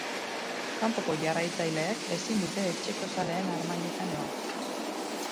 Kanpoko jarraitzaileek ezin dute etxeko zaleen harmailetan egon.